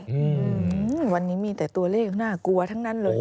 อืมวันนี้มีแต่ตัวเลขน่ากลัวทั้งนั้นเลย